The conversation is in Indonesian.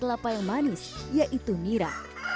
dan kelapa yang manis yaitu nira